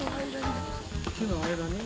木の間に。